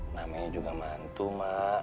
namanya juga mantu mak